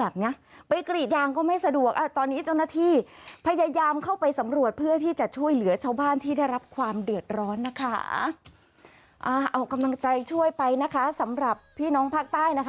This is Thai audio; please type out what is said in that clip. บ้านที่ได้รับความเดือดร้อนนะคะเอากำลังใจช่วยไปนะคะสำหรับพี่น้องภาคใต้นะคะ